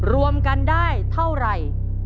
รวมกันได้เท่าไหร่